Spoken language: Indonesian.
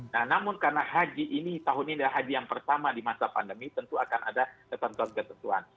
nah namun karena haji ini tahun ini adalah haji yang pertama di masa pandemi tentu akan ada ketentuan ketentuan